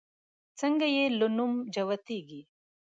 څنگه چې يې له نوم جوتېږي